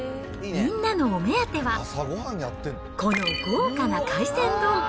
みんなのお目当ては、この豪華な海鮮丼。